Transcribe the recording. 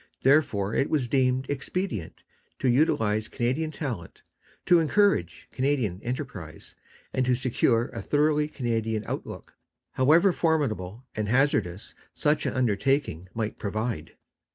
Therefore it was deemed expedient to utilize Canadian talent, to encourage Canadian enterprise, and to secure a thoroughly Canadian outlook, however formidable and hazardous such an undertaking might prove.